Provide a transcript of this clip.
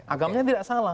agamanya tidak salah